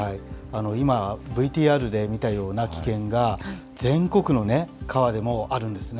今、ＶＴＲで見たような危険が全国の川でもあるんですね。